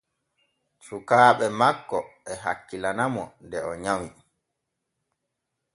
Sukaaɓe makko e hakkilana mo de o nyawi.